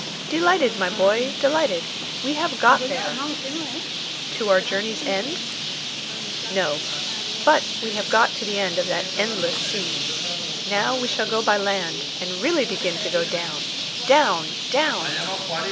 "Delighted, my boy, delighted. We have got there." "To our journey's end?" "No; but we have got to the end of that endless sea. Now we shall go by land, and really begin to go down! down! down!"